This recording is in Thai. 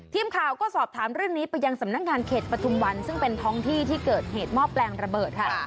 ทีมข่าวก็สอบถามเรื่องนี้ไปยังสำนักงานเขตปฐุมวันซึ่งเป็นท้องที่ที่เกิดเหตุหม้อแปลงระเบิดค่ะ